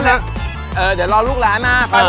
เดี๋ยวรอนลูกหลานมาไปป่ะ